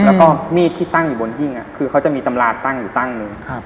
แล้วก็มีดที่ตั้งอยู่บนหิ้งคือเขาจะมีตำราตั้งอยู่ตั้งหนึ่ง